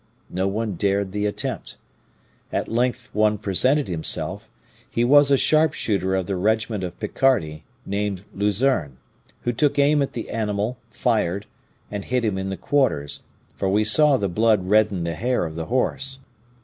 No one dared the attempt. At length one presented himself; he was a sharp shooter of the regiment of Picardy, named Luzerne, who took aim at the animal, fired, and hit him in the quarters, for we saw the blood redden the hair of the horse.